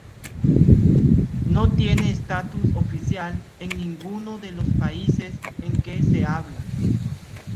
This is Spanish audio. No tiene estatus oficial en ninguno de los países en que se habla.